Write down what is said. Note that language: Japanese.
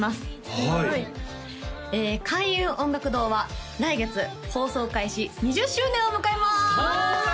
はい開運音楽堂は来月放送開始２０周年を迎えますそうだ！